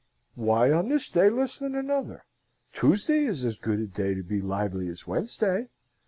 "Why on this day less than another? Tuesday is as good a day to be lively as Wednesday.